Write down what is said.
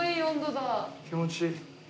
気持ちいい。